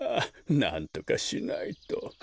なんとかしないと。